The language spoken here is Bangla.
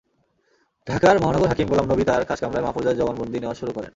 ঢাকার মহানগর হাকিম গোলাম নবী তাঁর খাসকামরায় মাহফুজার জবানবন্দি নেওয়া শুরু করেন।